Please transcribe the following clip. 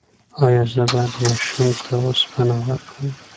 ایا زه باید ماشوم ته اوسپنه ورکړم؟